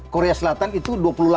korea selatan itu dua puluh delapan